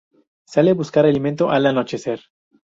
Sale a buscar alimento al anochecer.